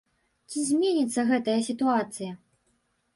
Ці зменіцца гэтая сітуацыя?